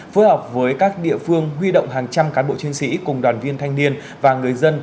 phối hợp với các địa phương huy động hàng trăm cán bộ chiến sĩ cùng đoàn viên thanh niên và người dân